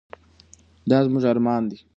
دا زموږ ارمان دی.